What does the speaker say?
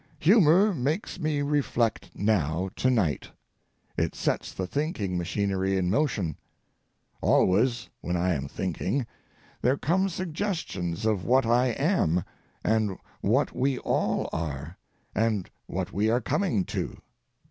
Humor makes me reflect now to night, it sets the thinking machinery in motion. Always, when I am thinking, there come suggestions of what I am, and what we all are, and what we are coming to.